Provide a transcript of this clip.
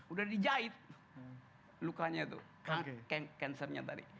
udah dijahit lukanya itu cancernya tadi